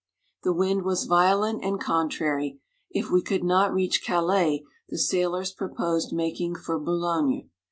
The wind was violent and contrary; if we could not reach Calais, the sailors proposed making for Boulogne.